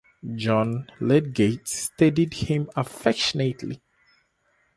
John Lydgate studied him affectionately.